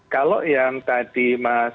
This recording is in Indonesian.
kalau yang tadi mas